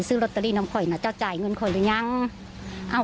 ซื้อลอตเตอรี่น้ำข่อยนะเจ้าจ่ายเงินคอยหรือยัง